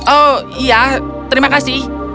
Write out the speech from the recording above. oh iya terima kasih